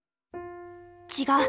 違う！